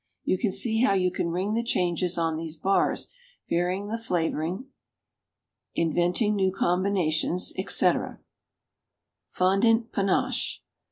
You see how you can ring the changes on these bars, varying the flavoring, inventing new combinations, etc. FONDANT PANACHÉ.